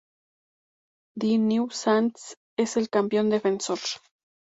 The New Saints es el campeón defensor.